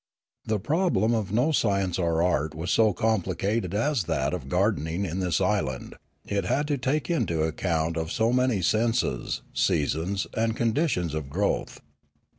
The problem of no science or art was so complicated as that of gardening in this island, it had to take account of so many senses, seasons, and con ditions of growth.